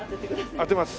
当てます。